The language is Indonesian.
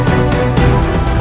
mgle baiknya pokoknya tidak selesa